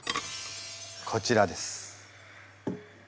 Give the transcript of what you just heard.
こちらです。